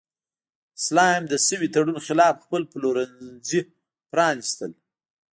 سلایم د شوي تړون خلاف خپل پلورنځي پرانیستل.